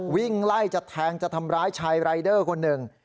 วิ่งไล่จะแทงจะทำร้ายชายรายเดอร์คนหนึ่ง